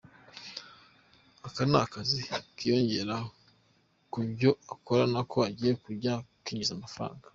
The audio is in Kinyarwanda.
Aka ni akazi kiyongera ku byo akora nako kagiye kujya kinjiza amafaranga.